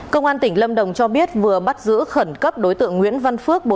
công an tỉnh lâm đồng cho biết vừa bắt giữ khẩn cấp đối tượng nguyễn văn phước